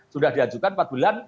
sudah diajukan empat bulan